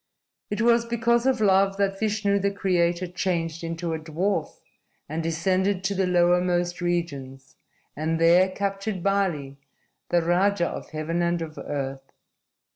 "It was because of love that Vishnu, the Creator, changed into a dwarf and descended to the lowermost regions, and there captured Bali, the Raja of Heaven and of Earth.